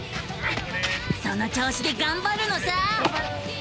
その調子でがんばるのさ！